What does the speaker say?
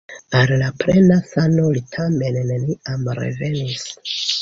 Al la plena sano li tamen neniam revenis.